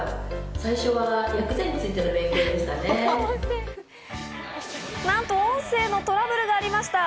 最初は薬膳についての勉強でしたね。